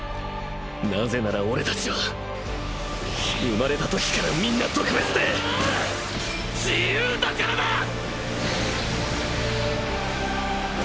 なぜならオレたちは生まれた時からみんな特別で自由だからだ！！